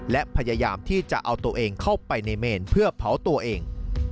และพยายามที่จะเอาตัวเองเข้าไปในเมนเพื่อเผาตัวเอง